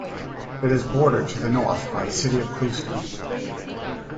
It is bordered to the north by the city of Clewiston.